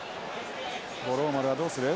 五郎丸はどうする？